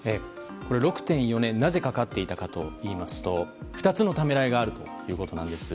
６．４年、なぜかかっていたかといいますと２つのためらいがあるということなんです。